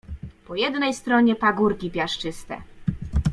Po jednej stronie pagórki piaszczyste.